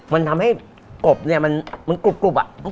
มันทำให้กบเนี่ยมันกรุบ